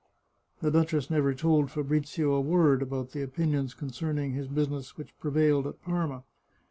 The duchess never told Fabrizio a word about the opin ion concerning his business which prevailed at Parma.